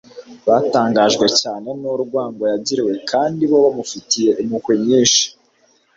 Batangajwe cyane n'urwango yagiriwe kandi bo bamufitiye impuhwe nyinshi.